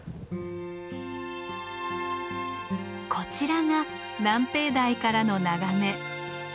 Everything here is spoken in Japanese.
こちらが南平台からの眺め。